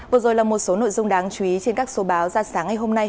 vừa rồi là một số nội dung đáng chú ý trên các số báo ra sáng ngày hôm nay